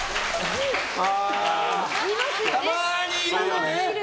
たまにいるよね。